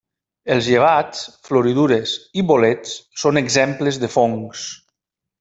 Els llevats, floridures i bolets són exemples de fongs.